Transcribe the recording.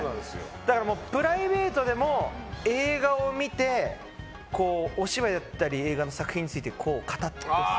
だからプライベートでも映画を見て、お芝居だったり映画の作品について語ったり。